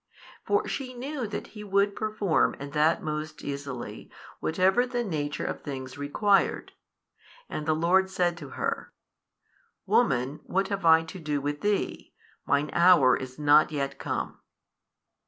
For she knew that He would perform, and that most easily, whatever the nature of things required. And the Lord said to her, Woman what have I to do with thee? Mine hour is not yet come.